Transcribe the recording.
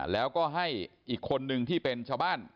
แล้วก็ให้อีกคนนึงที่เป็นชาวบ้าน